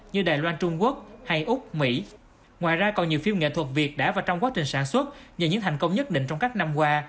nhờ những thành công nhất định trong các năm qua